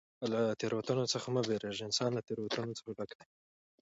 له تېروتنو څخه مه بېرېږه! انسان له تېروتنو څخه ډک دئ.